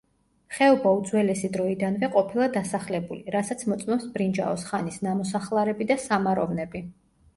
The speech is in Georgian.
ხეობა უძველესი დროიდანვე ყოფილა დასახლებული, რასაც მოწმობს ბრინჯაოს ხანის ნამოსახლარები და სამაროვნები.